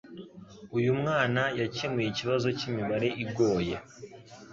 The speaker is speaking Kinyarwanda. Uyu mwana yakemuye ikibazo cyimibare igoye.